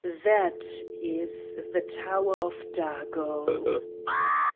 That is the Tower of Dago.